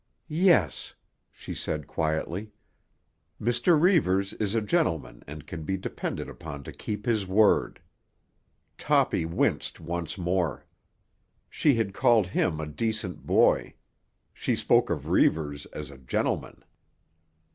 "Yes," she said quietly. "Mr. Reivers is a gentleman and can be depended upon to keep his word." Toppy winced once more. She had called him a "decent boy"; she spoke of Reivers as a "gentleman."